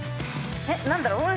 えっ何だろう。